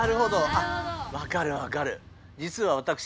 あっわかるわかる。